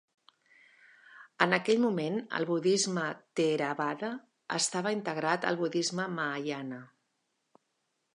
En aquell moment el budisme theravada estava integrat al budisme mahayana.